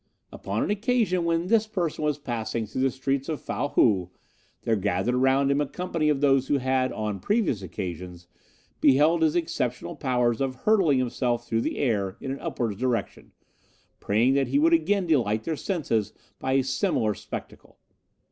'Upon an occasion when this person was passing through the streets of Fow Hou, there gathered around him a company of those who had, on previous occasions, beheld his exceptional powers of hurtling himself through the air in an upward direction, praying that he would again delight their senses by a similar spectacle.